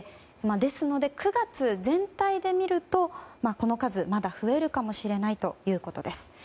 ですので９月全体で見るとこの数はまだ増えるかもしれないということです。